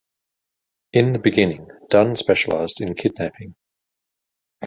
In the beginning, Dunne specialized in kidnapping.